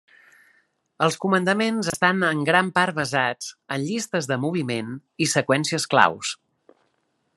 Els comandaments estan en gran part basats en llistes de moviment i seqüències claus.